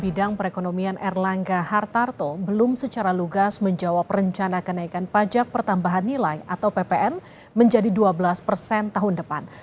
bidang perekonomian erlangga hartarto belum secara lugas menjawab rencana kenaikan pajak pertambahan nilai atau ppn menjadi dua belas persen tahun depan